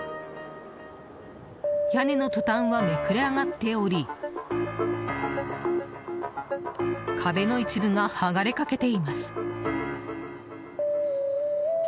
屋根のトタンはめくれ上がっており壁の一部が剥がれかけています。